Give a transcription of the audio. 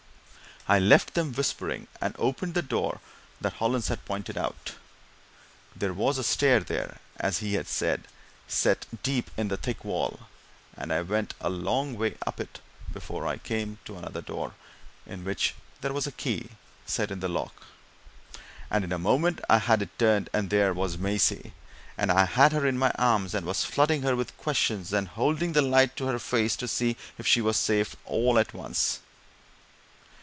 I left them whispering, and opened the door that Hollins had pointed out. There was a stair there, as he had said, set deep in the thick wall, and I went a long way up it before I came to another door, in which there was a key set in the lock. And in a moment I had it turned, and there was Maisie, and I had her in my arms and was flooding her with questions and holding the light to her face to see if she was safe, all at once.